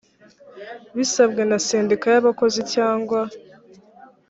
bisabwe na sendika y abakozi cyangwa